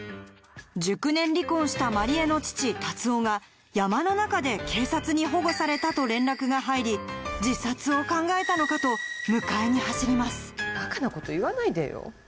熟年離婚した万里江の父達男が山の中で警察に保護されたと連絡が入り自殺を考えたのかと迎えに走りますバカなこと言わないでよ。